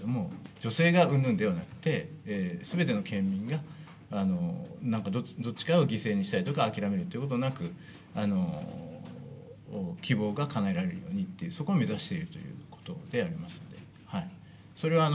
女性がうんぬんではなくて、すべての県民が、どっちかを犠牲にしたりとか、諦めることなく、希望がかなえられるようにと、そこを目指しているということでありますんで。